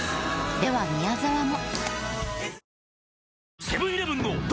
では宮沢も。